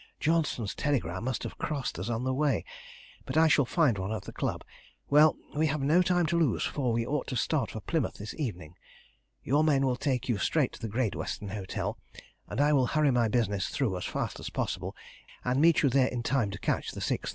"Johnston's telegram must have crossed us on the way, but I shall find one at the club. Well, we have no time to lose, for we ought to start for Plymouth this evening. Your men will take you straight to the Great Western Hotel, and I will hurry my business through as fast as possible, and meet you there in time to catch the 6.30.